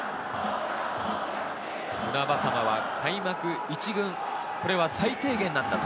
船迫は開幕１軍、これは最低限なんだと。